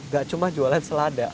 gak cuma jualan selada